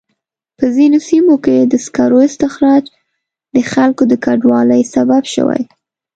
په ځینو سیمو کې د سکرو استخراج د خلکو د کډوالۍ سبب شوی.